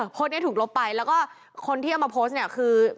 โพสต์นี้ถูกลบไปแล้วก็คนที่เอามาโพสต์เนี่ยคือ